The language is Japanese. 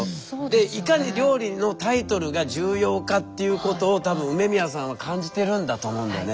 いかに料理のタイトルが重要かっていうことを多分梅宮さんは感じてるんだと思うんだよね。